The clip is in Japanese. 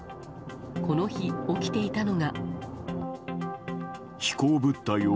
この日、起きていたのが。